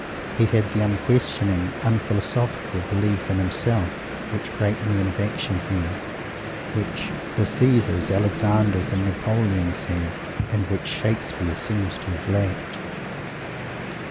He had the unquestioning, unphilosophical belief in himself which great men of action have; which the Caesars, Alexanders and Napoleons have, and which Shakespeare seems to have lacked.